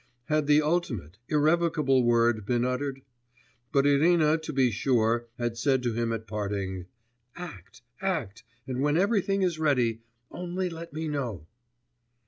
Had the ultimate, irrevocable word been uttered? But Irina to be sure had said to him at parting, 'Act, act, and when every thing is ready, only let me know.